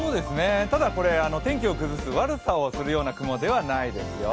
ただこれ、天気を崩す悪さをするような雲ではないですよ。